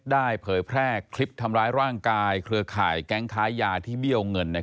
เผยแพร่คลิปทำร้ายร่างกายเครือข่ายแก๊งค้ายาที่เบี้ยวเงิน